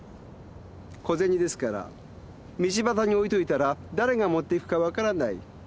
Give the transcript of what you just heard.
小銭ですから道端に置いといたらだれが持って行くか分からない。